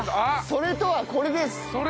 “それ”とはこれです！